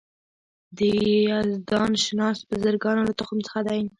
د یزدان شناس بزرګانو له تخم څخه دی.